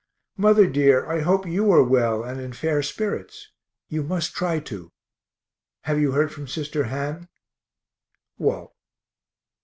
Mother dear, I hope you are well and in fair spirits you must try to. Have you heard from sister Han? WALT.